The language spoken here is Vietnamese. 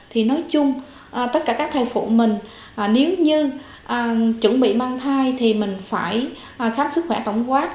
thì nói chung tất cả các thai phụ mình nếu như chuẩn bị mang thai thì mình phải khám sức khỏe tổng quát